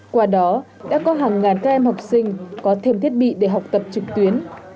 qua đó đã có hàng ngàn các em học sinh có thêm thiết bị để học tập trực tuyến